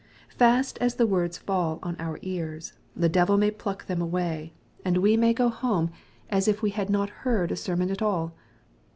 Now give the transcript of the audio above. Fast as the words fall on our ears, the devil may pluck them away, and we may MATTHEW^ CHAP. XUI. 143 go home as if we had not heard a sermon at all.